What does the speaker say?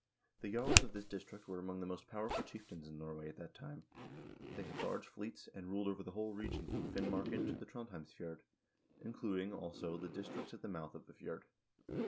The jarls of this district were among the most powerful chieftains in Norway at that time; they had large fleets, and ruled over the whole region from Finmarken to the Trondhjemsf jord, including, also, the district at the mouth of the fjord.